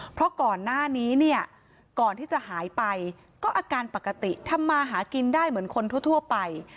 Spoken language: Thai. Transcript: เพราะก่อนหน้านี้เนี่ยก่อนที่จะหายไปก็อาการปกติทำมาหากินได้เหมือนคนทั่วไป